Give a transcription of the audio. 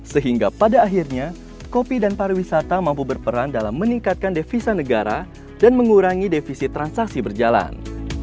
sehingga pada akhirnya kopi dan pariwisata mampu berperan dalam meningkatkan devisa negara dan mengurangi defisit transaksi berjalan